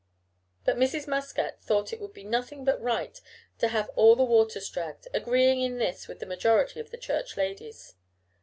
But Mrs. Muscat thought it would be nothing but right to have all the waters dragged, agreeing in this with the majority of the Church ladies.